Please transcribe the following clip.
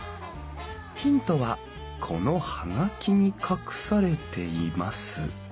ヒントはこの葉書に隠されています。